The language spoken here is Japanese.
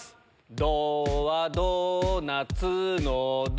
ドはドーナツのド